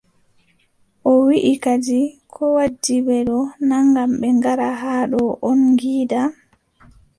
O wiʼi kadi koo waddi ɓe ɗo, naa ngam ɓe ngara haa ɗo on ngiida.